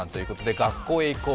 「学校へ行こう！